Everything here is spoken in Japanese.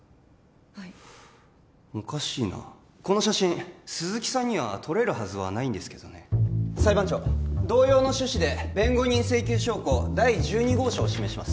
はいおかしいなこの写真鈴木さんには撮れるはずはないんですけどね裁判長同様の趣旨で弁護人請求証拠第十二号証を示します